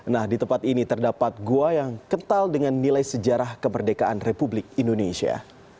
nah di tempat ini terdapat gua yang kental dengan nilai sejarah kemerdekaan republik indonesia